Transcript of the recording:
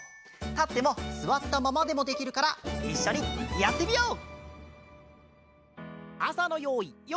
たってもすわったままでもできるからいっしょにやってみよう！